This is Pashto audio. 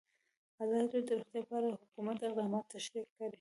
ازادي راډیو د روغتیا په اړه د حکومت اقدامات تشریح کړي.